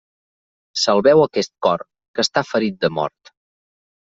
Salveu aquest cor, que està ferit de mort.